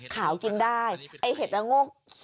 ขาวกินได้ไอ้เห็ดระโง่ขิน